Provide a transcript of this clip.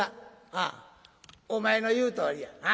「ああお前の言うとおりやな。